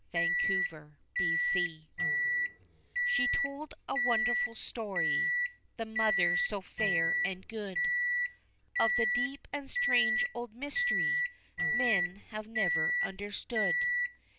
The Mother's Story She told a wonderful story, the mother so fair and good, Of the deep and strange old mystery men have never understood.